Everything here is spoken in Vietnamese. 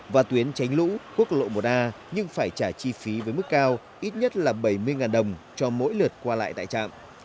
và tuyến tránh lũ quốc lộ một a nhưng phải trả chi phí với mức cao ít nhất là bảy mươi đồng cho mỗi lượt qua lại tại trạm